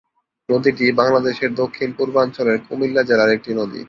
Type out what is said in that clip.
নদীটি বাংলাদেশের দক্ষিণ-পূর্বাঞ্চলের কুমিল্লা জেলার একটি নদী।